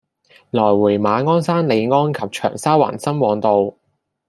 來往馬鞍山（利安）及長沙灣（深旺道），